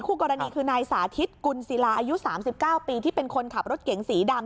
คู่กรณีคือนายสาธิตกุลศิลาอายุ๓๙ปีที่เป็นคนขับรถเก๋งสีดำ